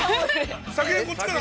◆先にこっちから。